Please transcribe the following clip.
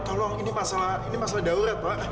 tolong ini masalah daurat pak